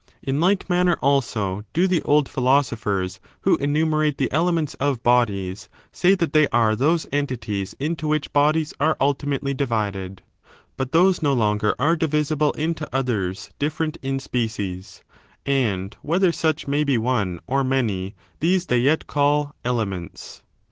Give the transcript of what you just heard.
In like manner, also, do the old philosophers,^ who enumerate the elements of bodies, say that they are those entities into which bodies are idtimately divided ; but those no longer are divisible into others different in species; and whether such may be one or many, these they yet call elements.